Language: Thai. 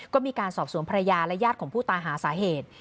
ก็มีการสอบสวนภรรยาและญาติของผู้ตายหาสาเหตุ